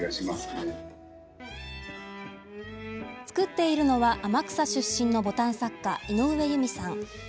作っているのは、天草出身のボタン作家・井上ゆみさん。